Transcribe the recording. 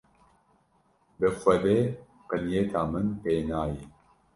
Bi xwedê qinyeta min pê nayê.